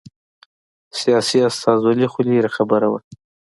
سیاسي استازولي خو لرې خبره وه.